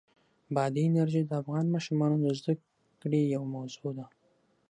بادي انرژي د افغان ماشومانو د زده کړې یوه موضوع ده.